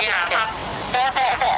saya tahun tiga